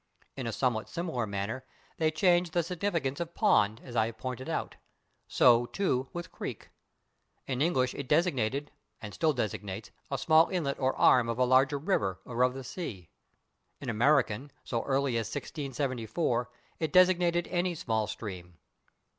In a somewhat similar manner they changed the significance of /pond/, as I have pointed out. So, too, with /creek/. In English it designated (and still designates) a small inlet or arm of a large river or of the sea; in American, so early as 1674, it designated any small stream.